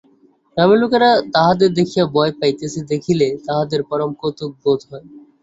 গ্রামের লোকেরা তাহাদের দেখিয়া ভয় পাইতেছে দেখিলে তাহাদের পরম কৌতুক বোধ হয়।